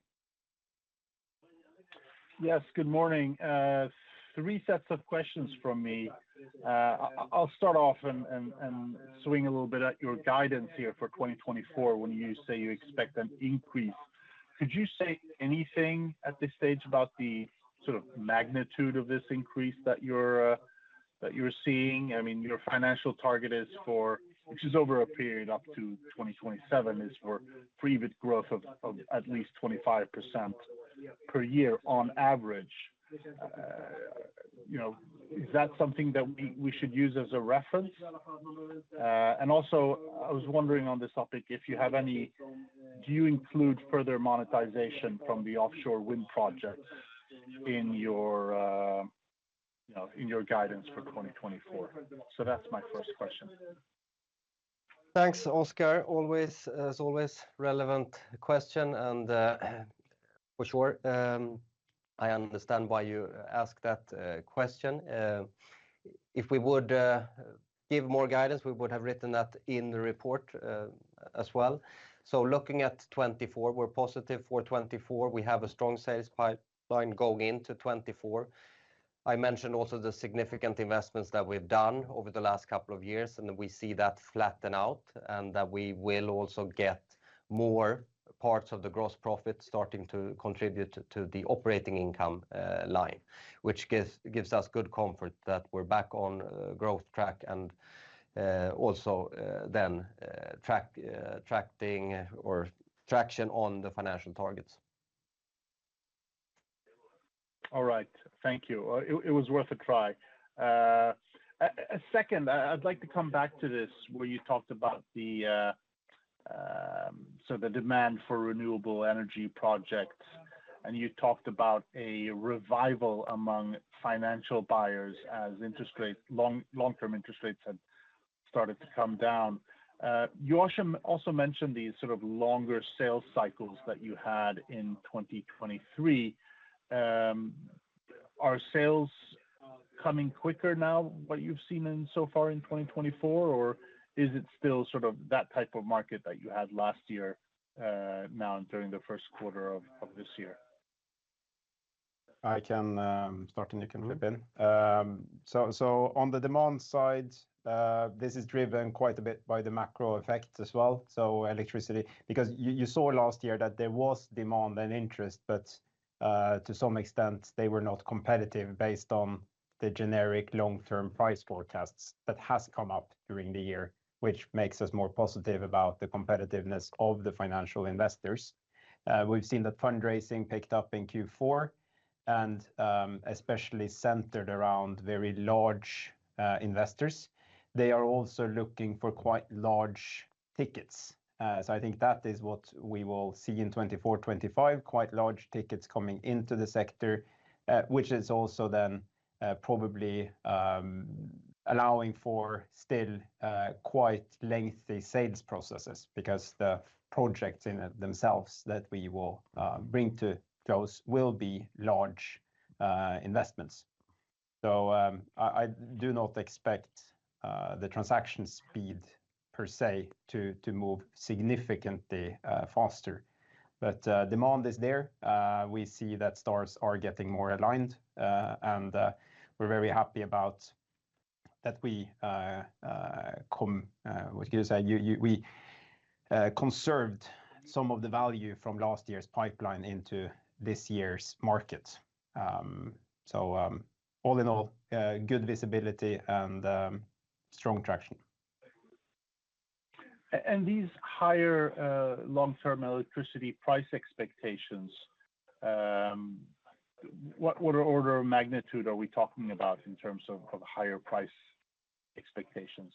Yes, good morning. Three sets of questions from me. I'll start off and swing a little bit at your guidance here for 2024 when you say you expect an increase. Could you say anything at this stage about the sort of magnitude of this increase that you're seeing? I mean, your financial target is for, which is over a period up to 2027, is for free EBIT growth of at least 25% per year on average. You know, is that something that we should use as a reference? And also, I was wondering on this topic, if you have any, do you include further monetization from the offshore wind projects in your, you know, in your guidance for 2024? So that's my first question. Thanks, Oskar. Always, as always, relevant question. And for sure, I understand why you ask that question. If we would give more guidance, we would have written that in the report as well. So looking at 2024, we're positive for 2024. We have a strong sales pipeline going into 2024. I mentioned also the significant investments that we've done over the last couple of years. And we see that flatten out and that we will also get more parts of the gross profit starting to contribute to the operating income line, which gives us good comfort that we're back on growth track and also then tracking or traction on the financial targets. All right, thank you. It was worth a try. A second, I'd like to come back to this where you talked about so the demand for renewable energy projects. And you talked about a revival among financial buyers as long-term interest rates had started to come down. Johan also mentioned these sort of longer sales cycles that you had in 2023. Are sales coming quicker now, what you've seen so far in 2024? Or is it still sort of that type of market that you had last year now during the first quarter of this year? I can start and you can flip in. So on the demand side, this is driven quite a bit by the macro effect as well. So electricity, because you saw last year that there was demand and interest, but to some extent, they were not competitive based on the generic long-term price forecasts that have come up during the year, which makes us more positive about the competitiveness of the financial investors. We've seen that fundraising picked up in Q4 and especially centered around very large investors. They are also looking for quite large tickets. So I think that is what we will see in 2024-2025, quite large tickets coming into the sector, which is also then probably allowing for still quite lengthy sales processes, because the projects in themselves that we will bring to close will be large investments. So I do not expect the transaction speed per se to move significantly faster. But demand is there. We see that stars are getting more aligned. And we're very happy about that we come, what can you say, you we conserved some of the value from last year's pipeline into this year's market. So all in all, good visibility and strong traction. And these higher long-term electricity price expectations, what order of magnitude are we talking about in terms of higher price expectations?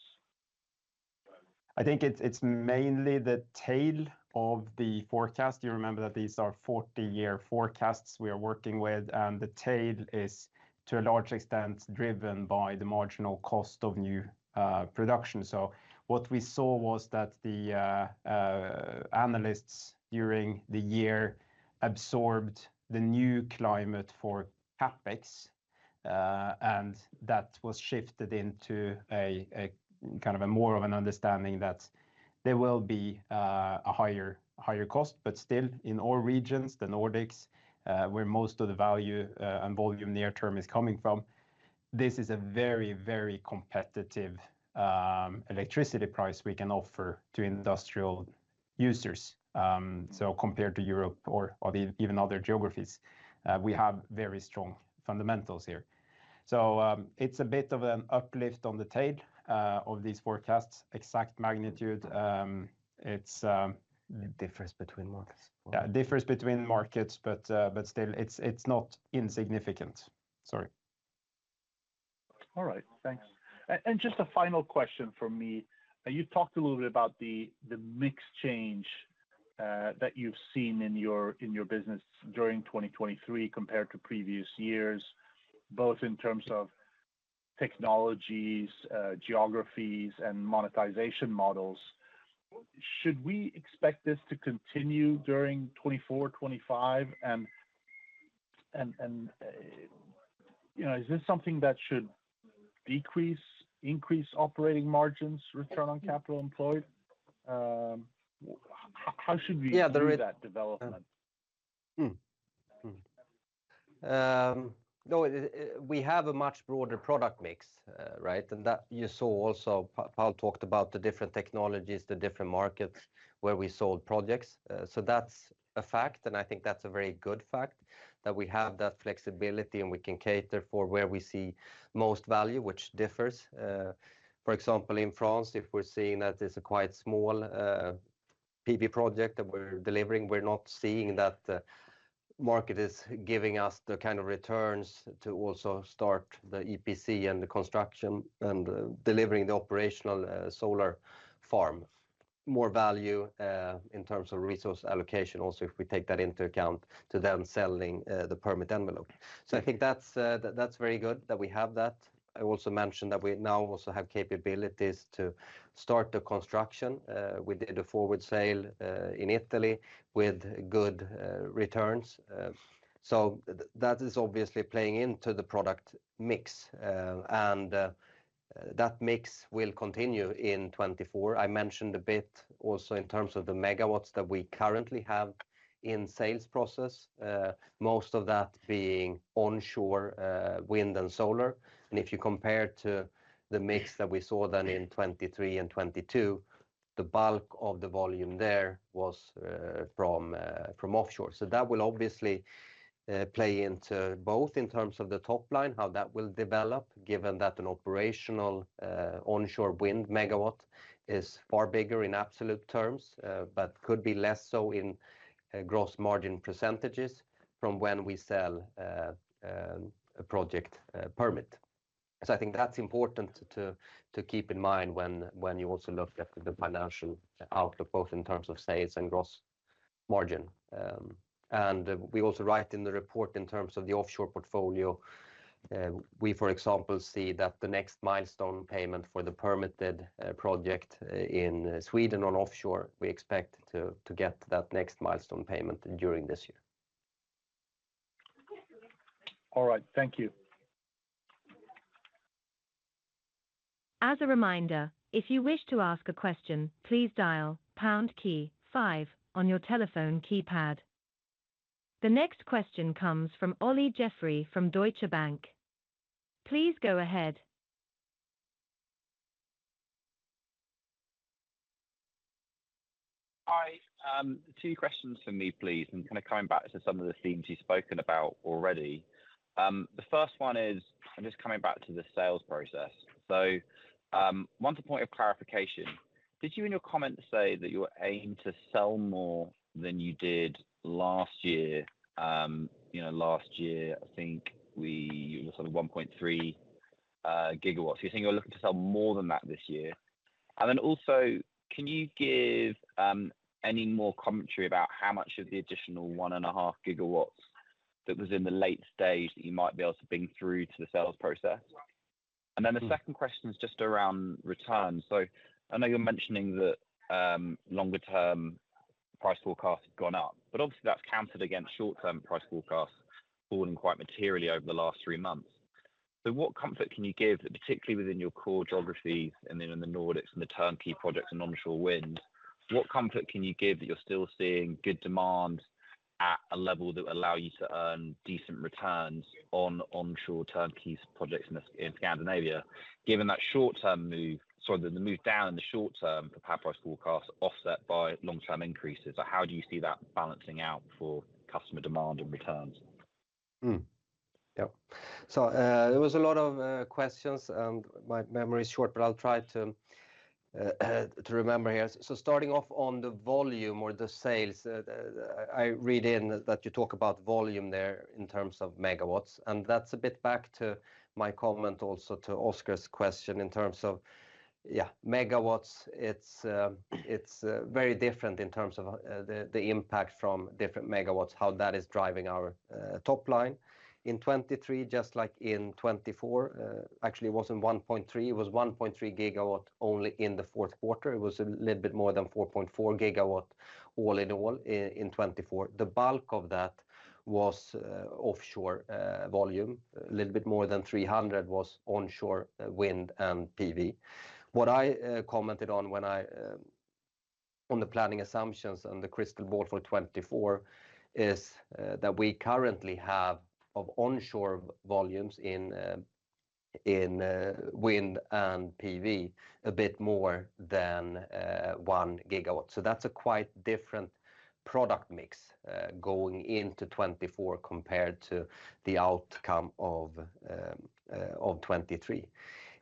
I think it's mainly the tail of the forecast. You remember that these are 40-year forecasts we are working with. The tail is to a large extent driven by the marginal cost of new production. So what we saw was that the analysts during the year absorbed the new climate for CapEx. That was shifted into a kind of a more of an understanding that there will be a higher cost. But still, in our regions, the Nordics, where most of the value and volume near-term is coming from, this is a very, very competitive electricity price we can offer to industrial users. So compared to Europe or even other geographies, we have very strong fundamentals here. So it's a bit of an uplift on the tail of these forecasts, exact magnitude. It differs between markets. Yeah, it differs between markets, but still, it's not insignificant. Sorry. All right, thanks. And just a final question from me. You talked a little bit about the mixed change that you've seen in your business during 2023 compared to previous years, both in terms of technologies, geographies, and monetization models. Should we expect this to continue during 2024-2025? And you know is this something that should decrease, increase operating margins, return on capital employed? How should we view that development? No, we have a much broader product mix, right? And that you saw also, Paul talked about the different technologies, the different markets where we sold projects. So that's a fact. And I think that's a very good fact that we have that flexibility and we can cater for where we see most value, which differs. For example, in France, if we're seeing that it's a quite small PV project that we're delivering, we're not seeing that the market is giving us the kind of returns to also start the EPC and the construction and delivering the operational solar farm. More value in terms of resource allocation also, if we take that into account, to then selling the permit envelope. So I think that's very good that we have that. I also mentioned that we now also have capabilities to start the construction. We did a forward sale in Italy with good returns. So that is obviously playing into the product mix. And that mix will continue in 2024. I mentioned a bit also in terms of the megawatts that we currently have in sales process, most of that being onshore wind and solar. If you compare to the mix that we saw then in 2023 and 2022, the bulk of the volume there was from offshore. So that will obviously play into both in terms of the topline, how that will develop, given that an operational onshore wind megawatt is far bigger in absolute terms, but could be less so in gross margin percentages from when we sell a project permit. So I think that's important to keep in mind when you also look at the financial outlook, both in terms of sales and gross margin. And we also write in the report in terms of the offshore portfolio. We, for example, see that the next milestone payment for the permitted project in Sweden on offshore, we expect to get that next milestone payment during this year. All right, thank you. As a reminder, if you wish to ask a question, please dial pound key five on your telephone keypad. The next question comes from Olly Jeffery from Deutsche Bank. Please go ahead. Hi, two questions for me, please, and kind of coming back to some of the themes you've spoken about already. The first one is, I'm just coming back to the sales process. So I want a point of clarification. Did you in your comment say that you were aiming to sell more than you did last year? You know, last year, I think it was sort of 1.3 GW. You're saying you're looking to sell more than that this year. And then also, can you give any more commentary about how much of the additional 1.5 GW that was in the late stage that you might be able to bring through to the sales process? Then the second question is just around returns. I know you're mentioning that longer-term price forecasts have gone up, but obviously that's countered against short-term price forecasts falling quite materially over the last three months. What comfort can you give that particularly within your core geographies and then in the Nordics and the turnkey projects and onshore wind, what comfort can you give that you're still seeing good demand at a level that will allow you to earn decent returns on onshore turnkey projects in Scandinavia, given that short-term move, sorry, the move down in the short-term for power price forecasts offset by long-term increases? How do you see that balancing out for customer demand and returns? Yep, so there was a lot of questions and my memory is short, but I'll try to remember here. So starting off on the volume or the sales, I read in that you talk about volume there in terms of megawatts. And that's a bit back to my comment also to Oskar's question in terms of, yeah, megawatts, it's very different in terms of the impact from different megawatts, how that is driving our topline. In 2023, just like in 2024, actually it wasn't 1.3, it was 1.3 GW only in the fourth quarter. It was a little bit more than 4.4 GW all in all in 2024. The bulk of that was offshore volume. A little bit more than 300 MW was onshore wind and PV. What I commented on when I on the planning assumptions and the crystal ball for 2024 is that we currently have of onshore volumes in wind and PV a bit more than 1 GW. So that's a quite different product mix going into 2024 compared to the outcome of 2023.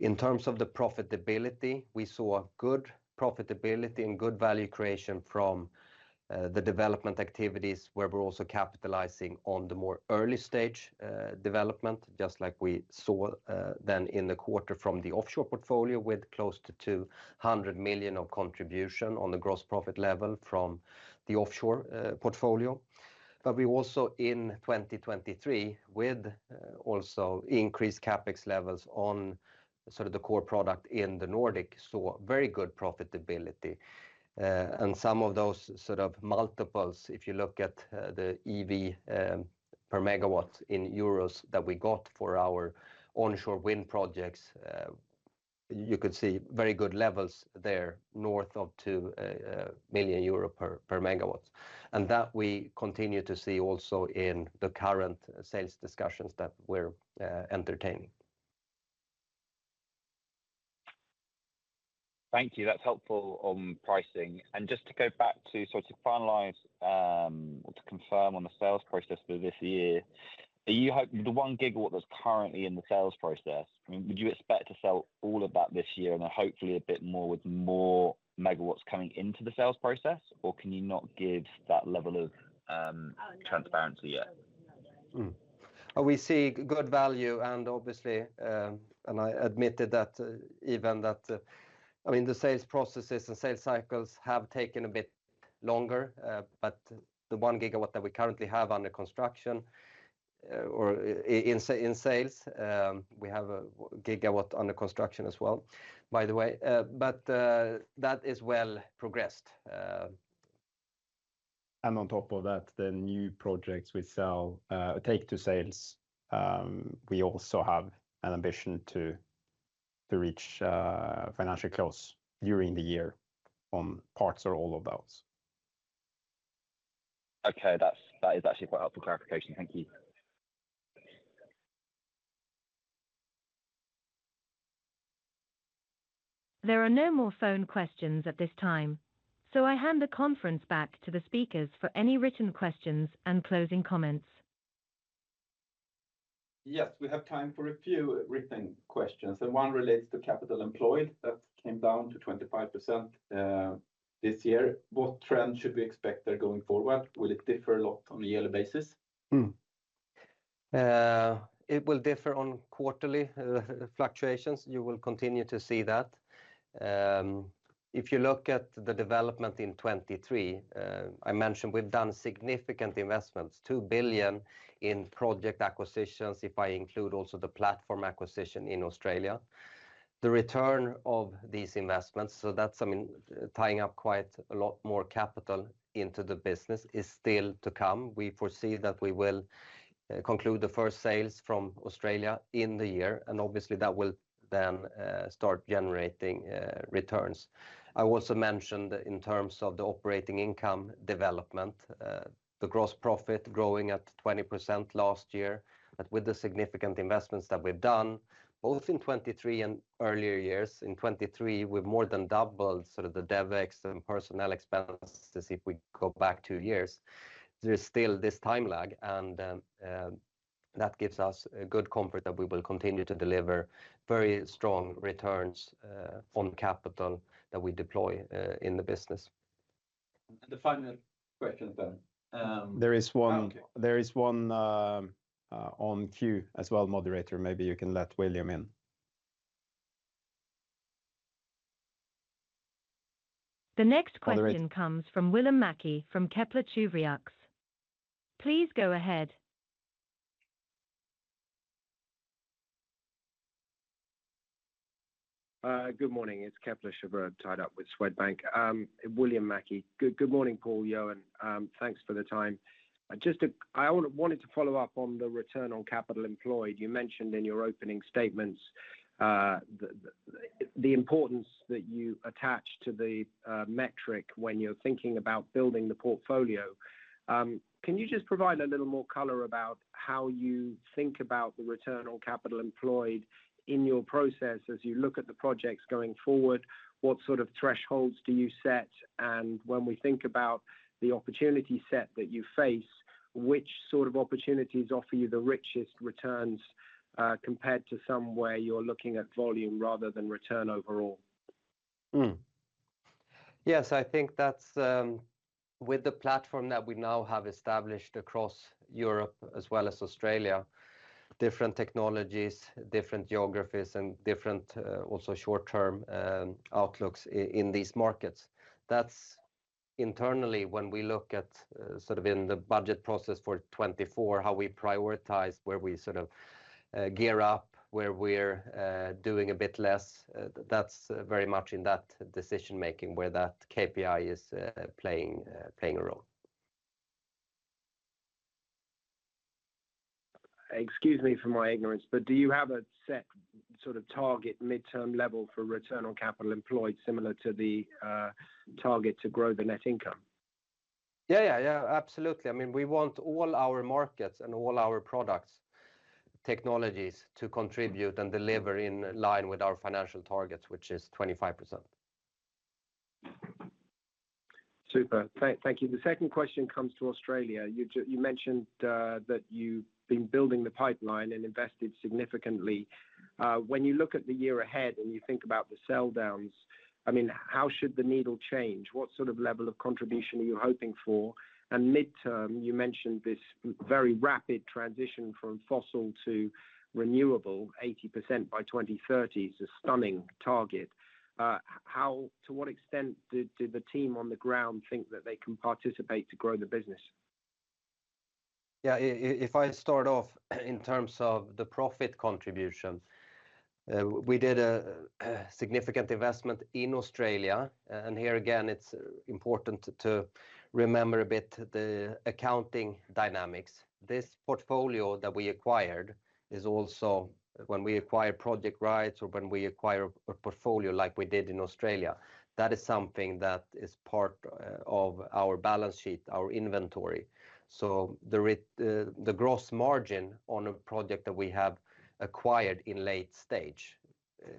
In terms of the profitability, we saw good profitability and good value creation from the development activities where we're also capitalizing on the more early stage development, just like we saw then in the quarter from the offshore portfolio with close to 200 million of contribution on the gross profit level from the offshore portfolio. But we also in 2023 with also increased CapEx levels on sort of the core product in the Nordic, saw very good profitability. And some of those sort of multiples, if you look at the EV per megawatt in euros that we got for our onshore wind projects, you could see very good levels there north of 2 million euro per megawatt. And that we continue to see also in the current sales discussions that we're entertaining. Thank you, that's helpful on pricing. And just to go back to sort of to finalize or to confirm on the sales process for this year, are you hoping the 1 gigawatt that's currently in the sales process, I mean would you expect to sell all of that this year and then hopefully a bit more with more megawatts coming into the sales process? Or can you not give that level of transparency yet? We see good value and obviously, and I admitted that even that, I mean the sales processes and sales cycles have taken a bit longer. But the 1 gigawatt that we currently have under construction, or in sales, we have a gigawatt under construction as well, by the way. But that is well progressed. On top of that, the new projects we sell, take to sales, we also have an ambition to reach financial close during the year on parts or all of those. Okay, that's actually quite helpful clarification, thank you. There are no more phone questions at this time, so I hand the conference back to the speakers for any written questions and closing comments. Yes, we have time for a few written questions. One relates to capital employed that came down to 25% this year. What trend should we expect there going forward? Will it differ a lot on a yearly basis? It will differ on quarterly fluctuations. You will continue to see that. If you look at the development in 2023, I mentioned we've done significant investments, 2 billion in project acquisitions if I include also the platform acquisition in Australia. The return of these investments, so that's, I mean, tying up quite a lot more capital into the business, is still to come. We foresee that we will conclude the first sales from Australia in the year. And obviously that will then start generating returns. I also mentioned in terms of the operating income development, the gross profit growing at 20% last year. But with the significant investments that we've done, both in 2023 and earlier years, in 2023 we've more than doubled sort of the DevEx and personnel expenses if we go back two years. There's still this time lag. And that gives us a good comfort that we will continue to deliver very strong returns on capital that we deploy in the business. And the final question then. There is one; there is one in queue as well, moderator. Maybe you can let William in. The next question comes from William Mackie from Kepler Cheuvreux. Please go ahead. Good morning, it's Kepler Cheuvreux tied up with Swedbank. William Mackie, good morning, Paul, Johan, thanks for the time. Just, I wanted to follow up on the return on capital employed. You mentioned in your opening statements the importance that you attach to the metric when you're thinking about building the portfolio. Can you just provide a little more color about how you think about the return on capital employed in your process as you look at the projects going forward? What sort of thresholds do you set? And when we think about the opportunity set that you face, which sort of opportunities offer you the richest returns compared to some where you're looking at volume rather than return overall? Yes, I think that's with the platform that we now have established across Europe as well as Australia, different technologies, different geographies, and different also short-term outlooks in these markets. That's internally when we look at sort of in the budget process for 2024, how we prioritize, where we sort of gear up, where we're doing a bit less. That's very much in that decision-making where that KPI is playing a role. Excuse me for my ignorance, but do you have a set sort of target mid-term level for return on capital employed similar to the target to grow the net income? Yeah, yeah, yeah, absolutely. I mean, we want all our markets and all our products, technologies to contribute and deliver in line with our financial targets, which is 25%. Super, thank you. The second question comes to Australia. You mentioned that you've been building the pipeline and invested significantly. When you look at the year ahead and you think about the sell-downs, I mean, how should the needle change? What sort of level of contribution are you hoping for? And mid-term, you mentioned this very rapid transition from fossil to renewable, 80% by 2030 is a stunning target. How, to what extent did the team on the ground think that they can participate to grow the business? Yeah, if I start off in terms of the profit contribution, we did a significant investment in Australia. And here again, it's important to remember a bit the accounting dynamics. This portfolio that we acquired is also, when we acquire project rights or when we acquire a portfolio like we did in Australia, that is something that is part of our balance sheet, our inventory. So the gross margin on a project that we have acquired in late stage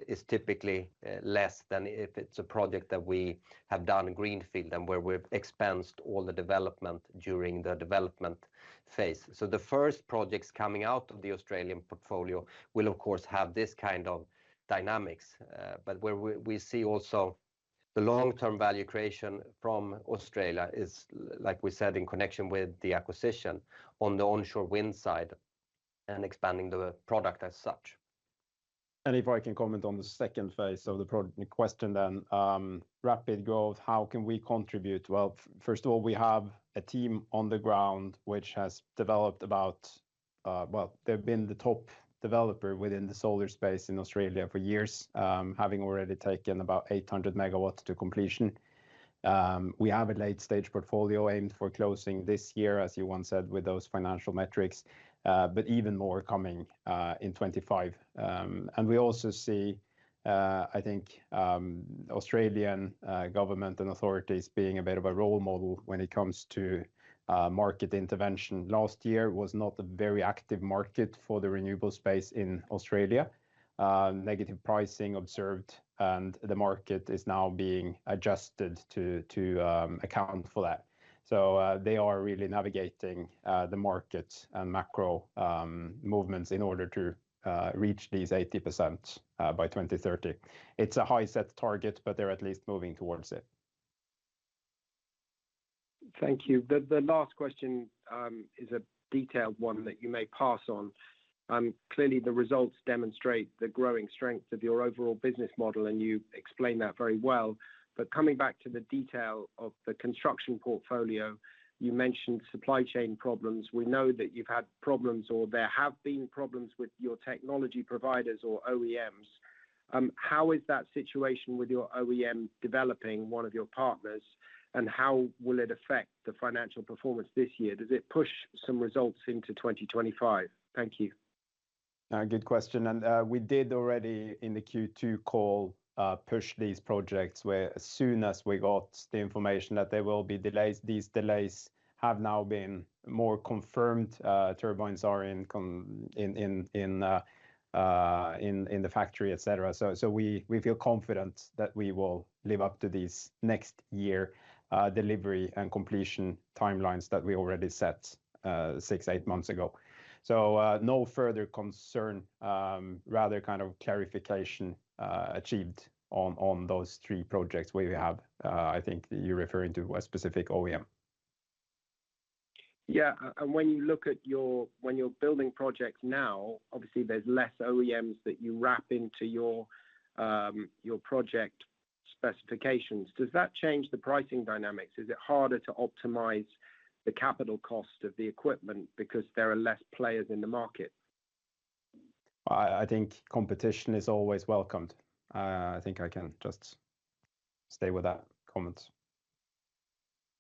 is typically less than if it's a project that we have done greenfield and where we've expensed all the development during the development phase. So the first projects coming out of the Australian portfolio will, of course, have this kind of dynamics. But where we see also the long-term value creation from Australia is, like we said, in connection with the acquisition on the onshore wind side and expanding the product as such. And if I can comment on the second phase of the product question then, rapid growth, how can we contribute? Well, first of all, we have a team on the ground which has developed about, well, they've been the top developer within the solar space in Australia for years, having already taken about 800 MW to completion. We have a late stage portfolio aimed for closing this year, as you once said, with those financial metrics, but even more coming in 2025. We also see, I think, Australian government and authorities being a bit of a role model when it comes to market intervention. Last year was not a very active market for the renewable space in Australia. Negative pricing observed, and the market is now being adjusted to account for that. So they are really navigating the market and macro movements in order to reach these 80% by 2030. It's a high-set target, but they're at least moving towards it. Thank you. The last question is a detailed one that you may pass on. Clearly, the results demonstrate the growing strength of your overall business model and you explain that very well. Coming back to the detail of the construction portfolio, you mentioned supply chain problems. We know that you've had problems or there have been problems with your technology providers or OEMs. How is that situation with your OEM developing, one of your partners? And how will it affect the financial performance this year? Does it push some results into 2025? Thank you. Good question. We did already in the Q2 call push these projects where, as soon as we got the information that there will be delays, these delays have now been more confirmed. Turbines are in the factory, etc. So we feel confident that we will live up to these next year delivery and completion timelines that we already set six, eight months ago. So no further concern, rather kind of clarification achieved on those three projects where you have, I think you're referring to a specific OEM. Yeah, and when you look at your when you're building projects now, obviously there's less OEMs that you wrap into your project specifications. Does that change the pricing dynamics? Is it harder to optimize the capital cost of the equipment because there are less players in the market? I think competition is always welcomed. I think I can just stay with that comment.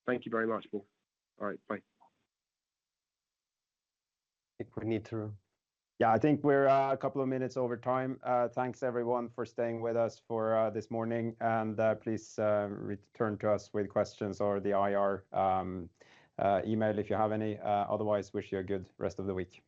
Thank you very much, Paul. All right, bye. I think we need to... Yeah, I think we're a couple of minutes over time. Thanks everyone for staying with us for this morning. And please return to us with questions or the IR email if you have any. Otherwise, wish you a good rest of the week.